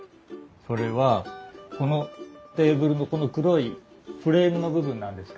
それはこのテーブルのこの黒いフレームの部分なんですけども。